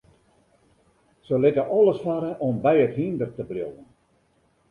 Se litte alles farre om by it hynder te bliuwen.